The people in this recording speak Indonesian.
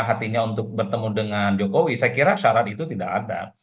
hatinya untuk bertemu dengan jokowi saya kira syarat itu tidak ada